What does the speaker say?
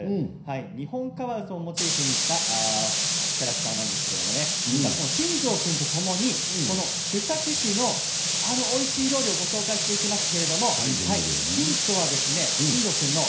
ニホンカワウソをモチーフにしたキャラクターなんですけれどもこの、しんじょう君とともに須崎市の、あのおいしい料理をご紹介していきますけれどもこれは何だ？